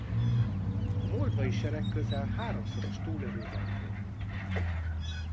A moldvai sereg közel háromszoros túlerőben volt.